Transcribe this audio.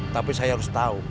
tapi saya harus tau